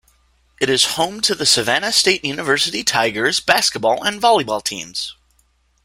It is home to the Savannah State University Tigers basketball and volleyball teams.